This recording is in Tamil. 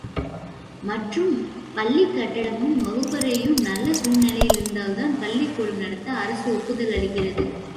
மற்றும், பள்ளிக் கட்டடமும், வகுப்பறையும் நல்ல குழ்நிலையில் இருந்தால்தான், பளளிக்கூடம் நடத்த அரசு ஒப்புதல் அளிக்கிறது.